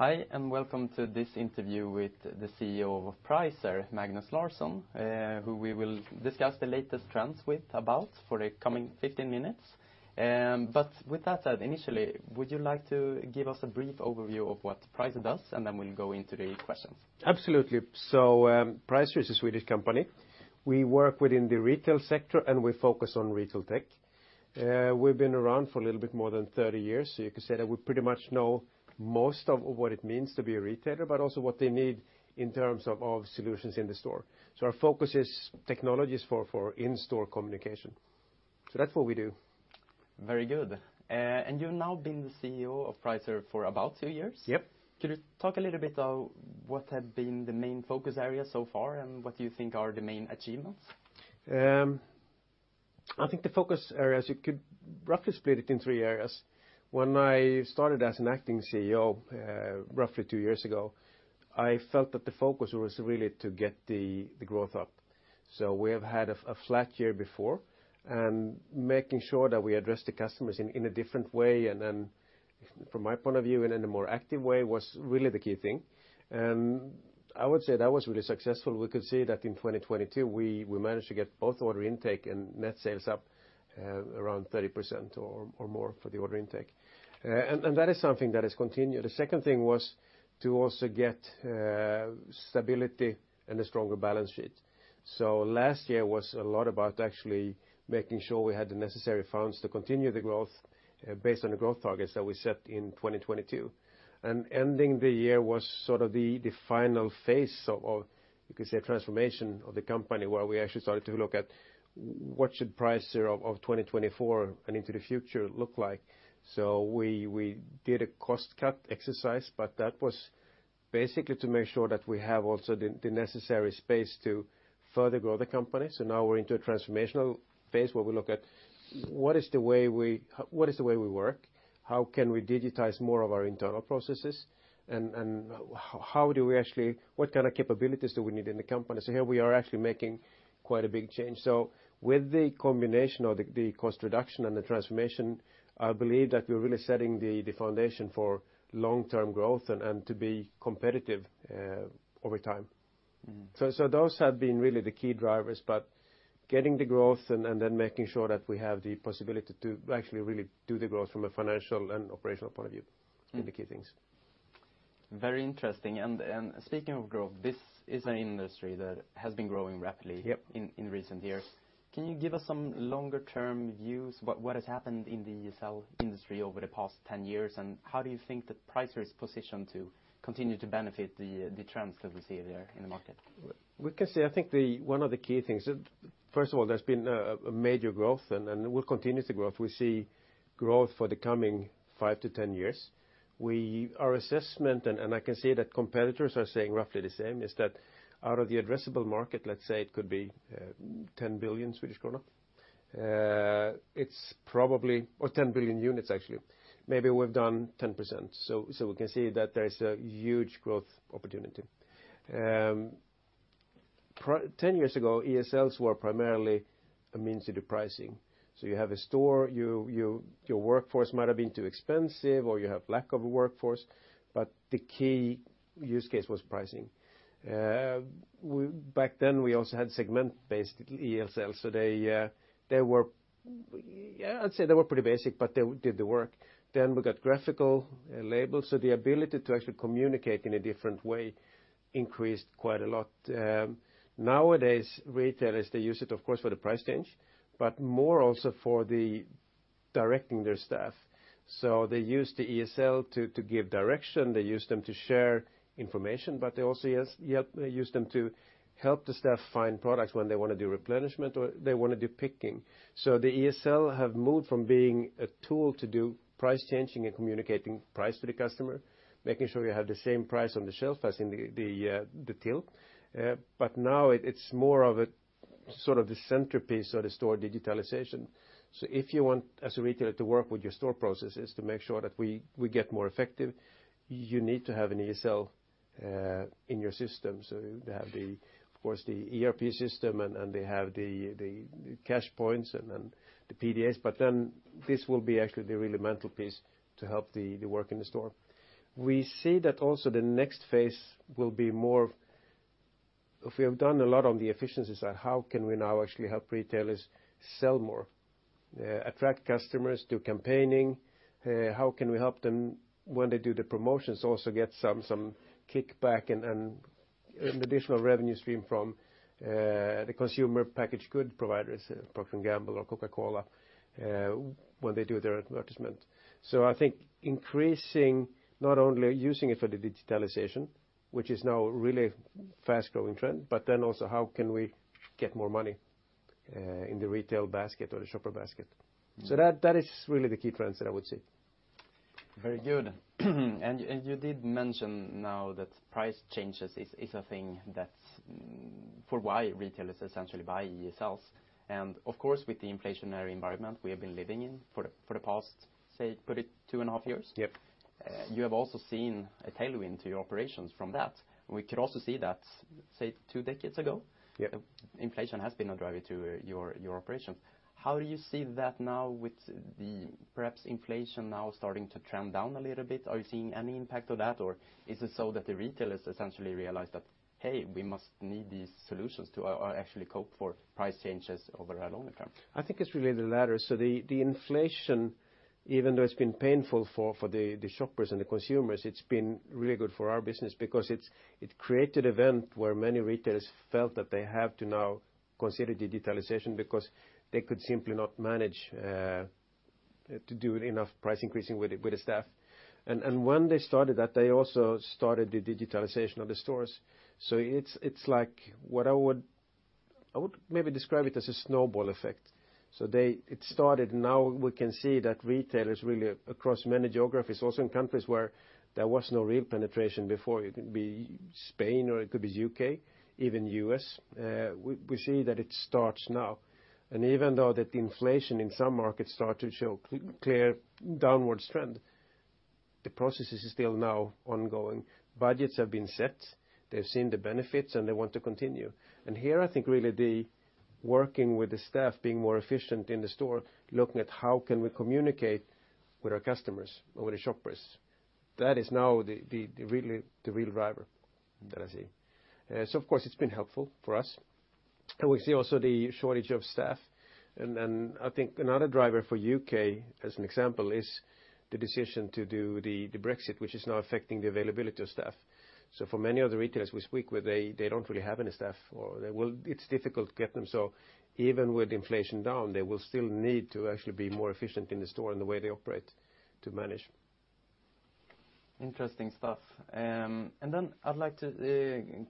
Hi, and welcome to this interview with the CEO of Pricer, Magnus Larsson, who we will discuss the latest trends with about for the coming 15 minutes. But with that said, initially, would you like to give us a brief overview of what Pricer does, and then we'll go into the questions? Absolutely. So Pricer is a Swedish company. We work within the retail sector, and we focus on retail tech. We've been around for a little bit more than 30 years, so you could say that we pretty much know most of what it means to be a retailer, but also what they need in terms of solutions in the store. So our focus is technologies for in-store communication. So that's what we do. Very good. And you've now been the CEO of Pricer for about two years? Yep. Could you talk a little bit about what have been the main focus areas so far, and what do you think are the main achievements? I think the focus areas, you could roughly split it in three areas. When I started as an acting CEO roughly two years ago, I felt that the focus was really to get the growth up, so we have had a flat year before, and making sure that we address the customers in a different way, and then from my point of view, in a more active way, was really the key thing, and I would say that was really successful. We could see that in 2022, we managed to get both order intake and net sales up around 30% or more for the order intake, and that is something that has continued. The second thing was to also get stability and a stronger balance sheet. Last year was a lot about actually making sure we had the necessary funds to continue the growth based on the growth targets that we set in 2022. And ending the year was sort of the final phase of, you could say, transformation of the company, where we actually started to look at what should Pricer of 2024 and into the future look like. So we did a cost-cut exercise, but that was basically to make sure that we have also the necessary space to further grow the company. So now we're into a transformational phase where we look at what is the way we work, how can we digitize more of our internal processes, and how do we actually—what kind of capabilities do we need in the company? So here we are actually making quite a big change. So with the combination of the cost reduction and the transformation, I believe that we're really setting the foundation for long-term growth and to be competitive over time. So those have been really the key drivers, but getting the growth and then making sure that we have the possibility to actually really do the growth from a financial and operational point of view, the key things. Very interesting. And speaking of growth, this is an industry that has been growing rapidly in recent years. Can you give us some longer-term views? What has happened in the ESL industry over the past 10 years, and how do you think that Pricer is positioned to continue to benefit the trends that we see there in the market? We can see, I think one of the key things, first of all, there's been a major growth, and we'll continue to grow if we see growth for the coming 5 to 10 years. Our assessment, and I can see that competitors are saying roughly the same, is that out of the addressable market, let's say it could be 10 billion Swedish krona, it's probably, or 10 billion units, actually. Maybe we've done 10%. So we can see that there's a huge growth opportunity. 10 years ago, ESLs were primarily a means to do pricing. So you have a store, your workforce might have been too expensive, or you have a lack of a workforce, but the key use case was pricing. Back then, we also had segment-based ESLs. So they were, I'd say they were pretty basic, but they did the work. Then we got graphical labels. So the ability to actually communicate in a different way increased quite a lot. Nowadays, retailers, they use it, of course, for the price change, but more also for directing their staff. So they use the ESL to give direction. They use them to share information, but they also use them to help the staff find products when they want to do replenishment or they want to do picking. So the ESL have moved from being a tool to do price changing and communicating price to the customer, making sure you have the same price on the shelf as in the till. But now it's more of a sort of the centerpiece of the store digitalization. So if you want, as a retailer, to work with your store processes to make sure that we get more effective, you need to have an ESL in your system. So you have, of course, the ERP system, and they have the cash points and the PDAs. But then this will be actually the really fundamental piece to help the work in the store. We see that also the next phase will be more of, if we have done a lot on the efficiency side, how can we now actually help retailers sell more, attract customers to campaigns? How can we help them when they do the promotions also get some kickback and an additional revenue stream from the consumer packaged goods providers, Procter & Gamble or Coca-Cola, when they do their advertisements? So I think increasing not only using it for the digitalization, which is now a really fast-growing trend, but then also how can we get more money in the retail basket or the shopper basket? So that is really the key trends that I would see. Very good. And you did mention now that price changes is a thing that's why retailers essentially buy ESLs. And of course, with the inflationary environment we have been living in for the past, say, two and a half years, you have also seen a tailwind to your operations from that. We could also see that, say, two decades ago, inflation has been a driver to your operations. How do you see that now with perhaps inflation now starting to trend down a little bit? Are you seeing any impact of that, or is it so that the retailers essentially realize that, "Hey, we must need these solutions to actually cope for price changes over a longer term"? I think it's really the latter. So the inflation, even though it's been painful for the shoppers and the consumers, it's been really good for our business because it created an event where many retailers felt that they have to now consider digitalization because they could simply not manage to do enough price increasing with the staff. And when they started that, they also started the digitalization of the stores. So it's like what I would maybe describe it as a snowball effect. So it started, and now we can see that retailers really across many geographies, also in countries where there was no real penetration before, it could be Spain, or it could be the UK even the US we see that it starts now. And even though that inflation in some markets started to show a clear downward trend, the processes are still now ongoing. Budgets have been set. They've seen the benefits, and they want to continue, and here, I think really the working with the staff, being more efficient in the store, looking at how can we communicate with our customers or with the shoppers, that is now really the real driver that I see, so of course, it's been helpful for us, and we see also the shortage of staff, and I think another driver for the UK as an example, is the decision to do the Brexit, which is now affecting the availability of staff, so for many of the retailers we speak with, they don't really have any staff, or it's difficult to get them, so even with inflation down, they will still need to actually be more efficient in the store and the way they operate to manage. Interesting stuff, and then I'd like to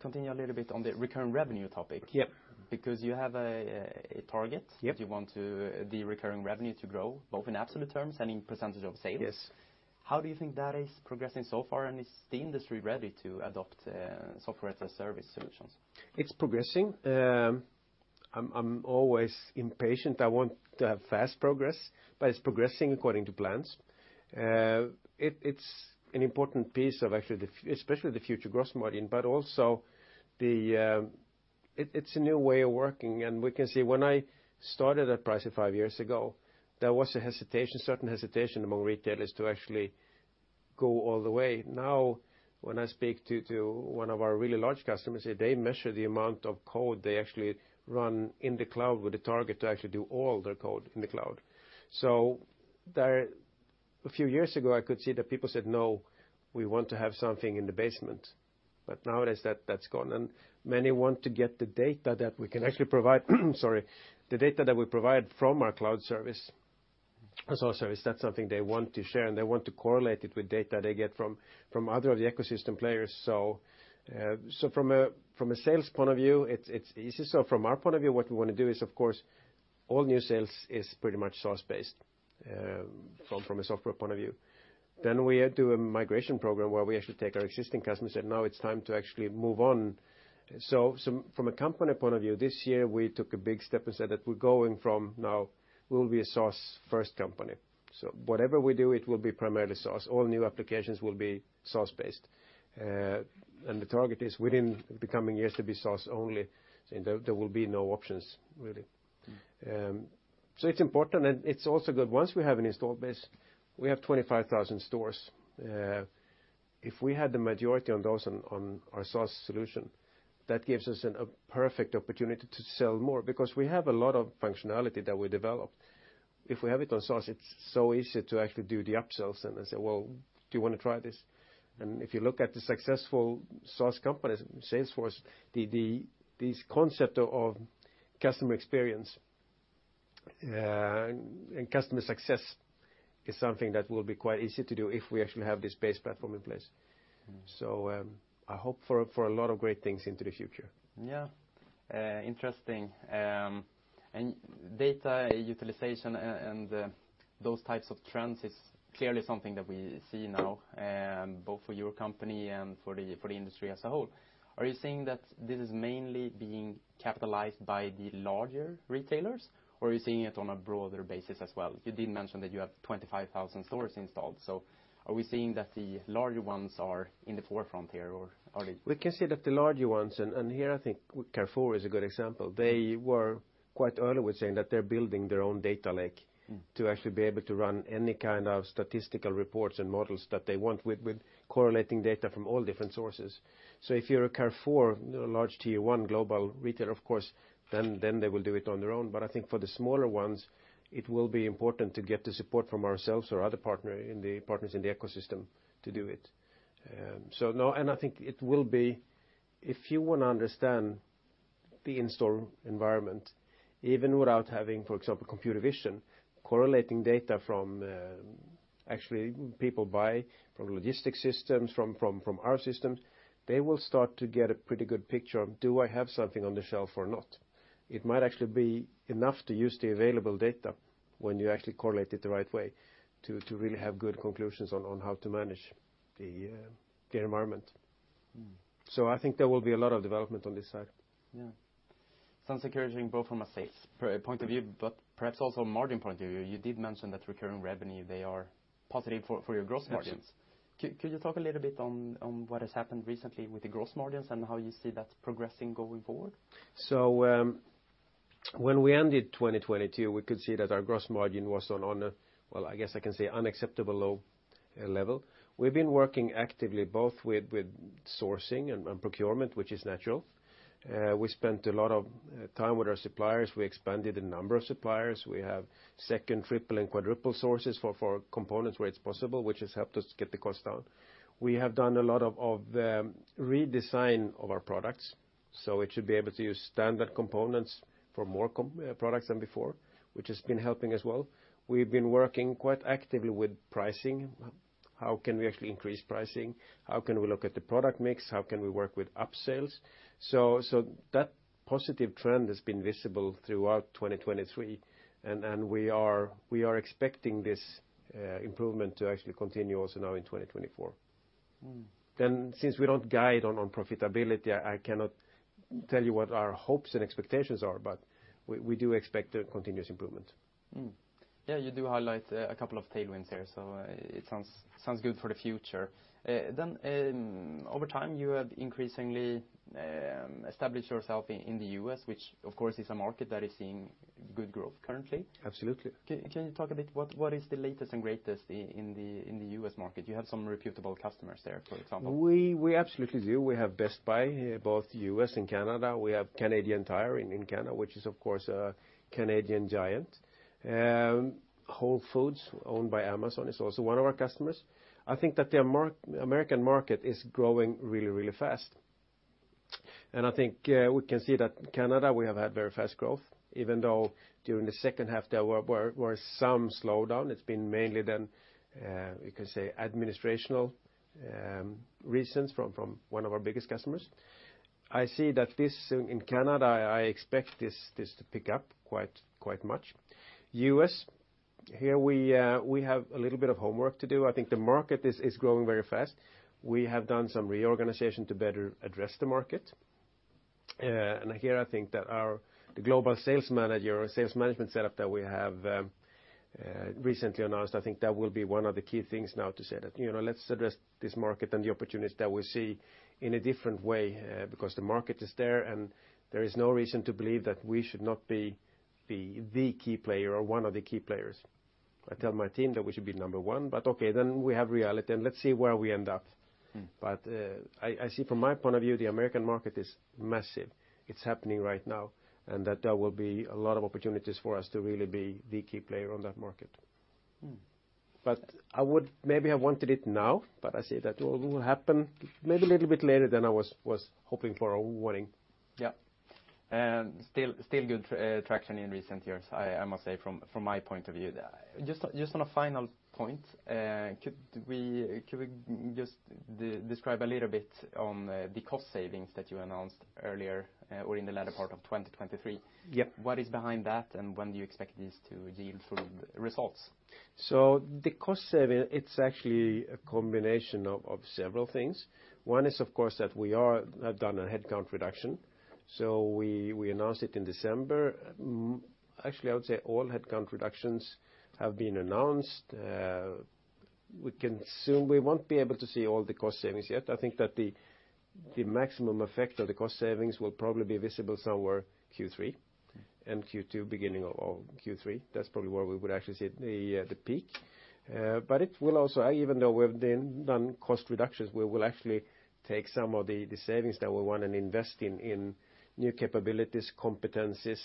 continue a little bit on the recurring revenue topic because you have a target that you want the recurring revenue to grow, both in absolute terms and in percentage of sales. How do you think that is progressing so far, and is the industry ready to adopt software as a service solutions? It's progressing. I'm always impatient. I want to have fast progress, but it's progressing according to plans. It's an important piece of actually the especially the future growth margin, but also it's a new way of working, and we can see when I started at Pricer five years ago, there was a certain hesitation among retailers to actually go all the way. Now, when I speak to one of our really large customers, they measure the amount of code they actually run in the cloud with a target to actually do all their code in the cloud, so a few years ago, I could see that people said, "No, we want to have something in the basement," but nowadays, that's gone. And many want to get the data that we can actually provide, sorry, the data that we provide from our cloud service as our service. That's something they want to share, and they want to correlate it with data they get from other of the ecosystem players. So from a sales point of view, it's easy. So from our point of view, what we want to do is, of course, all new sales is pretty much SaaS-based from a software point of view. Then we do a migration program where we actually take our existing customers and say, "Now it's time to actually move on." So from a company point of view, this year we took a big step and said that we're going from now, we'll be a SaaS-first company. So whatever we do, it will be primarily SaaS. All new applications will be SaaS-based. The target is within the coming years to be SaaS only. There will be no options, really. It's important, and it's also good. Once we have an installed base, we have 25,000 stores. If we had the majority on those on our SaaS solution, that gives us a perfect opportunity to sell more because we have a lot of functionality that we developed. If we have it on SaaS, it's so easy to actually do the upsells and say, "Well, do you want to try this?" If you look at the successful SaaS companies, Salesforce, this concept of customer experience and customer success is something that will be quite easy to do if we actually have this base platform in place. I hope for a lot of great things into the future. Yeah. Interesting. And data utilization and those types of trends is clearly something that we see now, both for your company and for the industry as a whole. Are you seeing that this is mainly being capitalized by the larger retailers, or are you seeing it on a broader basis as well? You did mention that you have 25,000 stores installed. So are we seeing that the larger ones are in the forefront here, or are they? We can see that the larger ones, and here I think Carrefour is a good example. They were quite early with saying that they're building their own data lake to actually be able to run any kind of statistical reports and models that they want with correlating data from all different sources. So if you're a Carrefour, a large tier one global retailer, of course, then they will do it on their own. But I think for the smaller ones, it will be important to get the support from ourselves or other partners in the ecosystem to do it. I think it will be, if you want to understand the in-store environment, even without having, for example, computer vision, correlating data from what people actually buy from logistics systems, from our systems. They will start to get a pretty good picture of, "Do I have something on the shelf or not?" It might actually be enough to use the available data when you actually correlate it the right way to really have good conclusions on how to manage the environment. I think there will be a lot of development on this side. Yeah. Sounds encouraging both from a sales point of view, but perhaps also a margin point of view. You did mention that recurring revenue, they are positive for your gross margins. Could you talk a little bit on what has happened recently with the gross margins and how you see that progressing going forward? So when we ended 2022, we could see that our gross margin was on a, well, I guess I can say unacceptable low level. We've been working actively both with sourcing and procurement, which is natural. We spent a lot of time with our suppliers. We expanded the number of suppliers. We have second, triple, and quadruple sources for components where it's possible, which has helped us get the cost down. We have done a lot of redesign of our products. So it should be able to use standard components for more products than before, which has been helping as well. We've been working quite actively with pricing. How can we actually increase pricing? How can we look at the product mix? How can we work with upsales? So that positive trend has been visible throughout 2023, and we are expecting this improvement to actually continue also now in 2024. Then since we don't guide on profitability, I cannot tell you what our hopes and expectations are, but we do expect continuous improvement. Yeah. You do highlight a couple of tailwinds here, so it sounds good for the future. Then over time, you have increasingly established yourself in the US which of course is a market that is seeing good growth currently. Absolutely. Can you talk a bit? What is the latest and greatest in the US market? You have some reputable customers there, for example. We absolutely do. We have Best Buy, both US and Canada. We have Canadian Tire in Canada, which is of course a Canadian giant. Whole Foods owned by Amazon is also one of our customers. I think that the American market is growing really, really fast, and I think we can see that Canada, we have had very fast growth, even though during the second half there were some slowdowns. It's been mainly then, you can say, administrative reasons from one of our biggest customers. I see that this in Canada, I expect this to pick up quite much. US here we have a little bit of homework to do. I think the market is growing very fast. We have done some reorganization to better address the market. Here I think that the global sales manager or sales management setup that we have recently announced. I think that will be one of the key things now to say that, "Let's address this market and the opportunities that we see in a different way because the market is there, and there is no reason to believe that we should not be the key player or one of the key players." I tell my team that we should be number one, but okay, then we have reality and let's see where we end up. But I see from my point of view, the American market is massive. It's happening right now, and that there will be a lot of opportunities for us to really be the key player on that market. But I would maybe have wanted it now, but I see that it will happen maybe a little bit later than I was hoping for or wanting. Yeah. Still good traction in recent years, I must say, from my point of view. Just on a final point, could we just describe a little bit on the cost savings that you announced earlier or in the latter part of 2023? What is behind that, and when do you expect these to yield full results? So the cost saving, it's actually a combination of several things. One is, of course, that we have done a headcount reduction. So we announced it in December. Actually, I would say all headcount reductions have been announced. We won't be able to see all the cost savings yet. I think that the maximum effect of the cost savings will probably be visible somewhere Q3 and Q2, beginning of Q3. That's probably where we would actually see the peak. But it will also, even though we've done cost reductions, we will actually take some of the savings that we want and invest in new capabilities, competencies.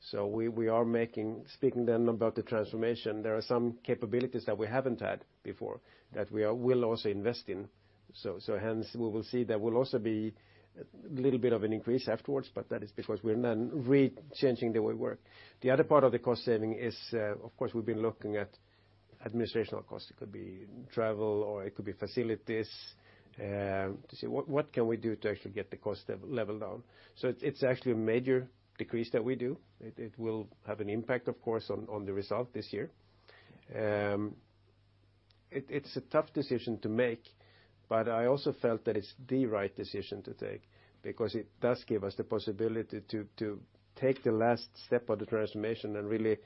So we are making, speaking then about the transformation, there are some capabilities that we haven't had before that we will also invest in. So hence, we will see there will also be a little bit of an increase afterwards, but that is because we're then re-changing the way we work. The other part of the cost saving is, of course, we've been looking at administrative costs. It could be travel, or it could be facilities. To see what can we do to actually get the cost level down. So it's actually a major decrease that we do. It will have an impact, of course, on the result this year. It's a tough decision to make, but I also felt that it's the right decision to take because it does give us the possibility to take the last step of the transformation and really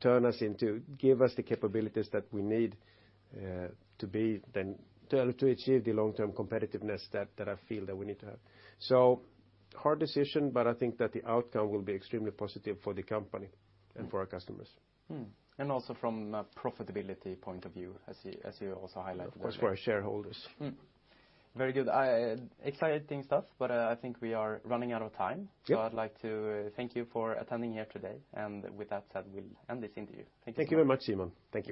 turn us into, give us the capabilities that we need to achieve the long-term competitiveness that I feel that we need to have. A hard decision, but I think that the outcome will be extremely positive for the company and for our customers. Also from a profitability point of view, as you also highlighted. Of course, for our shareholders. Very good. Exciting stuff, but I think we are running out of time. So I'd like to thank you for attending here today. And with that said, we'll end this interview. Thank you. Thank you very much, Simon. Thank you.